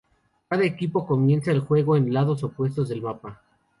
Cada equipo comienza el juego en lados opuestos del mapa.